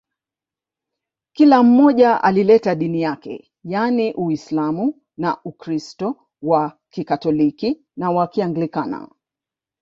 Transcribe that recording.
Kila mmoja alileta dini yake yaani Uislamu na Ukristo wa Kikatoliki na wa Kianglikana